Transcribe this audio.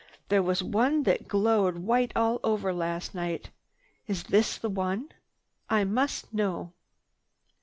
There was one that glowed white all over last night. Is this the one? I must know."